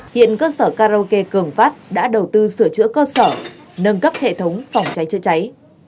hiện cơ sở karaoke cường phát đã đầu tư sửa chữa cơ sở nâng cấp hệ thống phòng cháy chữa cháy